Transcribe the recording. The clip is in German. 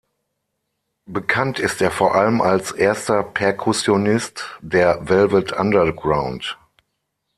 Bekannt ist er vor allem als erster Perkussionist der Velvet Underground.